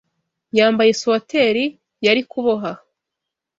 Yambaye swater yari kuboha.